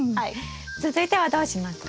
続いてはどうしますか？